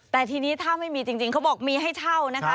แต่ทีนี้ถ้าไม่มีจริงเขาบอกมีให้เช่านะคะ